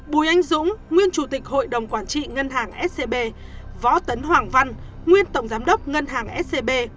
bùi anh dũng nguyên chủ tịch hội đồng quản trị ngân hàng scb võ tấn hoàng văn nguyên tổng giám đốc ngân hàng scb